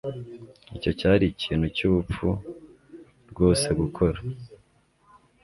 Icyo cyari ikintu cyubupfu rwose gukora